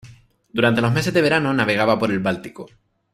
Durante los meses de verano, navegaba por el Báltico.